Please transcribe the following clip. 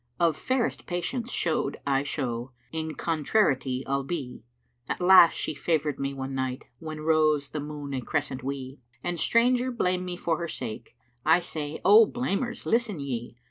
Of fairest patience showed I show * In contrariety albe: At last she favoured me one night * When rose the moon a crescent wee; An stranger blame me for her sake * I say, 'O blamers listen ye!